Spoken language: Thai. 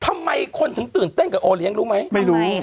ทำไมคนถึงตื่นเต้นกับโอเลี้ยงรู้ไหมไม่รู้